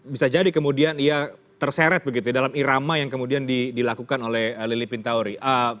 bisa jadi kemudian ia terseret begitu dalam irama yang kemudian dilakukan oleh lili pintauri